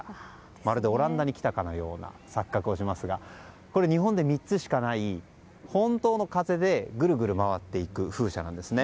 まるでオランダに来たかのような錯覚をしますが日本で３つしかない、本当の風でぐるぐる回る風車なんですね。